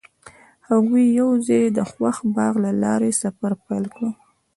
هغوی یوځای د خوښ باغ له لارې سفر پیل کړ.